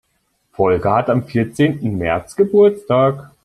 Volker hat am vierzehnten März Geburtstag.